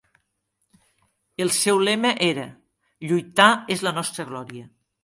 El seu lema era "Lluitar és la nostra glòria!"